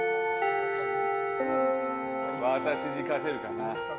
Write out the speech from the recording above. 私に勝てるかな？